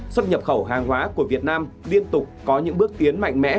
xuất nhập khẩu hàng hóa của việt nam liên tục có những bước tiến mạnh mẽ